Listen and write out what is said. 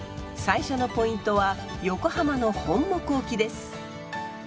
最初のポイントは横浜の本牧沖です。